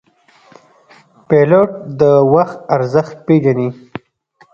پیلوټ د وخت ارزښت پېژني.